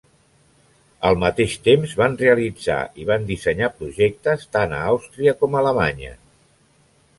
Al mateix temps van realitzar i van dissenyar projectes tant en Àustria com a Alemanya.